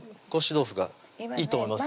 豆腐がいいと思います